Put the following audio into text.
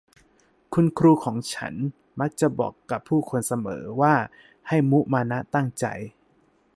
คุณครูของฉันมักจะบอกกับผู้คนเสมอว่า ให้มุมานะตั้งใจ